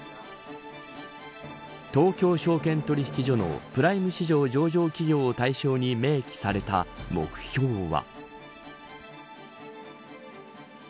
東京証券取引所のプライム市場上場企業を対象に明記された目標は。